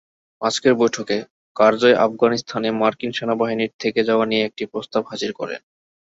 আজকের বৈঠকে কারজাই আফগানিস্তানে মার্কিন সেনাবাহিনীর থেকে যাওয়া নিয়ে একটি প্রস্তাব হাজির করেন।